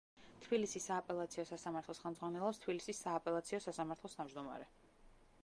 თბილისის სააპელაციო სასამართლოს ხელმძღვანელობს თბილისის სააპელაციო სასამართლოს თავმჯდომარე.